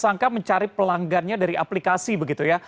sangka mencari pelanggannya dari aplikasi begitu ya